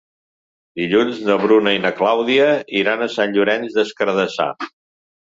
Dilluns na Bruna i na Clàudia iran a Sant Llorenç des Cardassar.